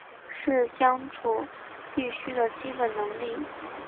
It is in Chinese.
是相处必须的基本能力